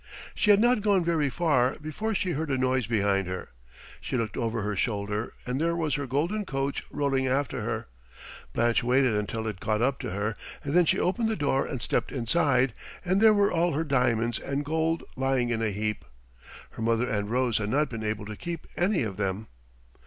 She had not gone very far before she heard a noise behind her. She looked over her shoulder, and there was her golden coach rolling after her. Blanche waited until it caught up to her, and then she opened the door and stepped inside, and there were all her diamonds and gold lying in a heap. Her mother and Rose had not been able to keep any of them.